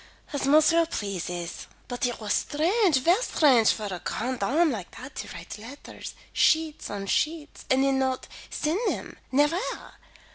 "As monsieur pleases. But it was strange, ver strange for a grande dame like that to write letters sheets on sheets and then not send them, nevaire.